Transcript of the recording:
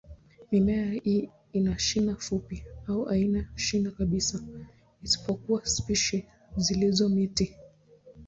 Mimea hii ina shina fupi au haina shina kabisa, isipokuwa spishi zilizo miti.